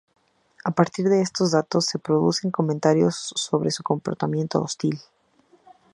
A partir de estos datos se producen comentarios sobre su comportamiento hostil.